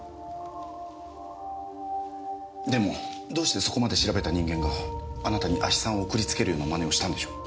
でもどうしてそこまで調べた人間があなたに亜ヒ酸を送りつけるような真似をしたんでしょう？